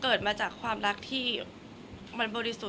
คนเราถ้าใช้ชีวิตมาจนถึงอายุขนาดนี้แล้วค่ะ